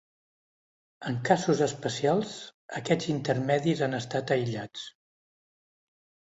En casos especials, aquests intermedis han estat aïllats.